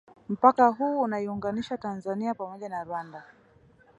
Mpaka huu unaiunganisha Tanzania pamoja na Rwanda